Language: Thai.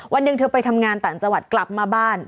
วันหนึ่งเธอไปทำงานต่างจังหวัดกลับมาบ้าน